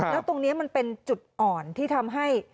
แล้วตรงนี้มันเป็นจุดอ่อนที่ทำให้